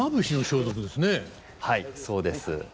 はいそうです。